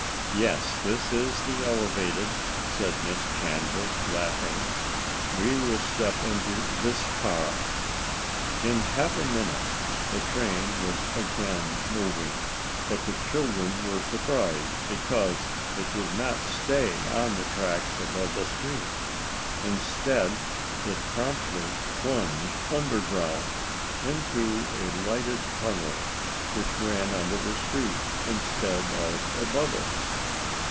"Yes, this is the elevated," said Miss Chandler, laughing. "We will step into this car." In half a minute the train was again moving, but the children were surprised because it did not stay on the tracks above the street. Instead, it promptly plunged underground, into a lighted tunnel which ran under the street instead of above it.